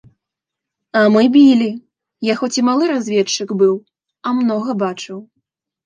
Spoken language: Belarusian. А мы білі, я хоць і малы разведчык быў, а многа бачыў.